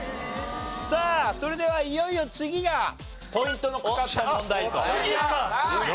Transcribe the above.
さあそれではいよいよ次がポイントのかかった問題という事になります。